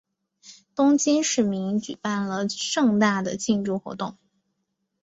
东京市民举行了盛大的庆祝活动。